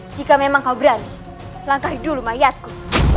jika memang kau berani langkai dulu mayatku